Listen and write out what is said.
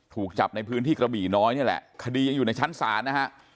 ถูกจับในพื้นที่กระบี่น้อยนี่แหละคดียังอยู่ในชั้นศาลนะฮะ